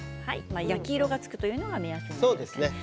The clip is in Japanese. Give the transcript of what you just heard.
焼き色がつくのが目安です。